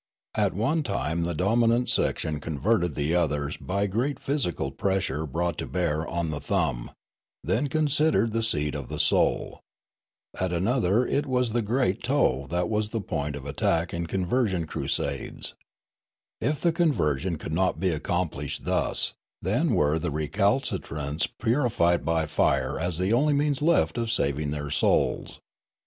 At one time the dominant section con verted the others by great physical pressure brought to bear on the thumb, then considered the seat of the soul ; at another it was the great toe that was the point of attack in conversion crusades ; if the conversion could not be accomplished thus, then w^ere the recalcitrants purified bj' fire as the only means left of saving their souls.